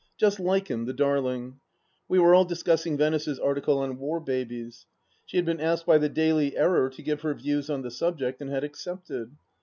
Just like him, the darling 1 We were all discussing Venice's article on War Babies, She had been asked by the Daily Error to give her views on the subject, and had accepted.